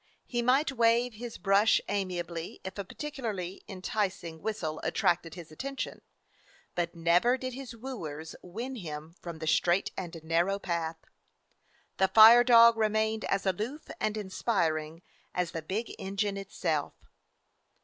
He might wave his brush amiably if a particularly enticing whistle attracted his at tention, but never did his wooers win him from the straight and narrow path. The "fire dog" remained as aloof and inspiring as the big en gine itself.